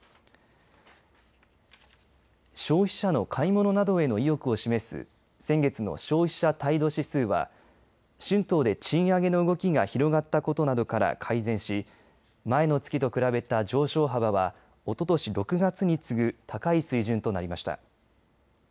消費者の買い物などへの意欲を示す先月の消費者態度指数は春闘で賃上げの動きが広がったことなどから改善し、前の月と比べた上昇幅はおととし６月に次ぐ高い水準となりました。